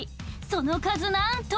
その数何と